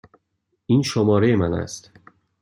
این شماره من است.